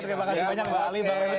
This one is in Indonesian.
terima kasih banyak mbak ali mbak revy